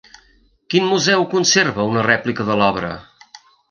Quin museu conserva una rèplica de l'obra?